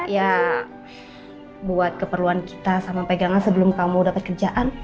ya buat keperluan kita sama pegangan sebelum kamu dapat kerjaan